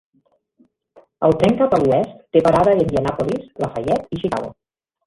El tren cap a l'oest té parada a Indianapolis, Lafayette i Chicago.